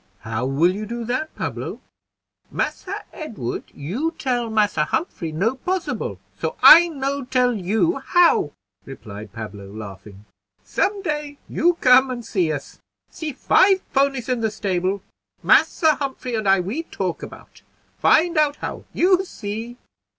how will you do that, Pablo?" "Massa Edward, you tell Massa Humphrey no possible, so I no tell you how," replied Pablo, laughing. "Some day you come and see us, see five ponies in the stable. Massa Humphrey and I, we talk about, find out how; you see."